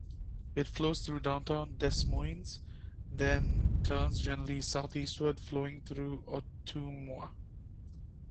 It flows through downtown Des Moines, then turns generally southeastward, flowing through Ottumwa.